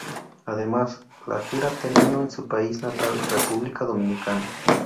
Además, la gira terminó en su país natal, República Dominicana.